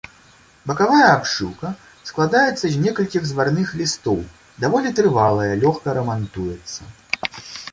Бакавая абшыўка складаецца з некалькіх зварных лістоў, даволі трывалая, лёгка рамантуецца.